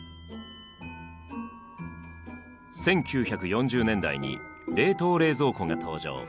１９４０年代に冷凍冷蔵庫が登場。